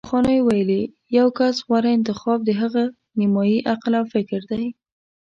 پخوانیو ویلي: د یو کس غوره انتخاب د هغه نیمايي عقل او فکر دی